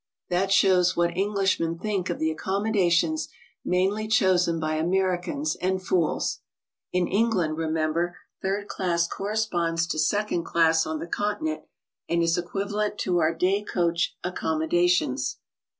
That shows what Englishmen think of the accommodations mainly chosen by Americans and fools. In England, re member, third class corresponds to second class on the Con tinent, and is equivalent to our day coach accommodations.